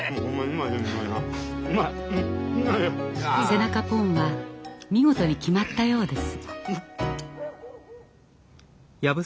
背中ポンは見事に決まったようです。